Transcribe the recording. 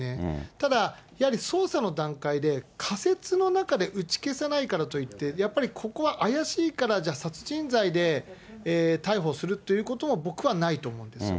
ただ、やはり捜査の段階で、仮説の中で打ち消せないからといって、やっぱりここが怪しいからじゃあ、殺人罪で逮捕するっていうことも、僕はないと思うんですよ。